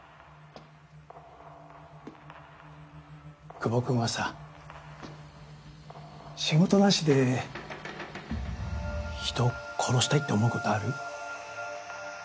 窪君はさ仕事なしで人殺したいって思うことある？